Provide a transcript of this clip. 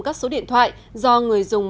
các số điện thoại do người dùng